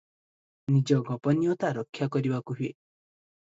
ନିଜ ଗୋପନୀୟତା ରକ୍ଷାକରିବାକୁ ହୁଏ ।